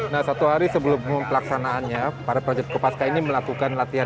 nah satu hari sebelum pelaksanaannya para prajurit kopaska ini melakukan latihan